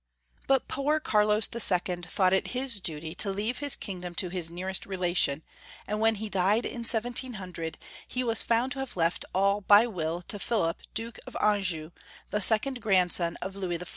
But poor Carlos II. thought it liis duty to leave his kingdom to Ins nearest relation, and when he died, in 1700, he was found to have left all by will to Philip, Duke of Anjou, the second grandson of Louis XIV.